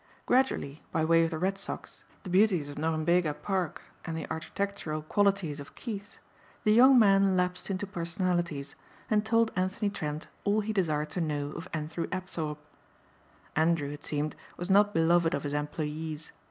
Gradually, by way of the Red Sox, the beauties of Norumbega Park and the architectural qualities of Keith's, the young man lapsed into personalities and told Anthony Trent all he desired to know of Andrew Apthorpe. Andrew, it seemed, was not beloved of his employees.